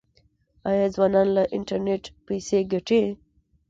آیا ځوانان له انټرنیټ پیسې ګټي؟